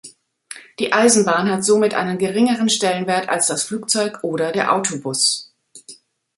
Die Eisenbahn hat somit einen geringeren Stellenwert als das Flugzeug oder der Autobus.